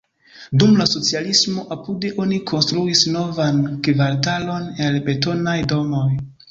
Dum la socialismo apude oni konstruis novan kvartalon el betonaj domoj.